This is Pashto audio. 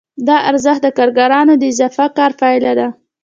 دا ارزښت د کارګرانو د اضافي کار پایله ده